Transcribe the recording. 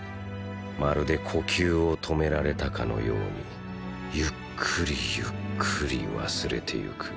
まるで呼吸を止められたかのようにゆっくりゆっくり忘れていく。